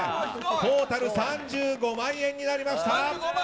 トータル３５万円になりました。